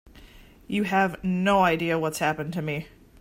You have no idea what's happened to me.